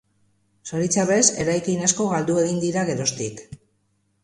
Zoritxarrez eraikin asko galdu egin dira geroztik.